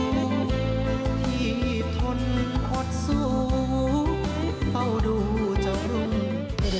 หยีบทนควดสู้เข้าดูเจ้ารุ่ง